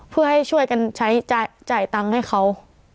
เพื่อให้ช่วยกันใช้จ่ายตังค์ให้เขา